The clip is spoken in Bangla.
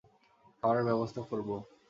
খাবারের ব্যবস্থা করব।